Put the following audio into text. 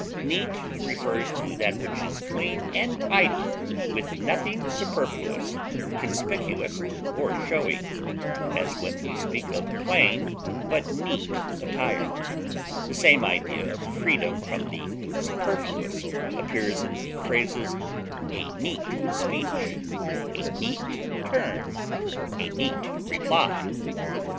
Neat refers to that which is clean and tidy with nothing superfluous, conspicuous, or showy, as when we speak of plain but neat attire; the same idea of freedom from the superfluous appears in the phrases "a neat speech," "a neat turn," "a neat reply," etc.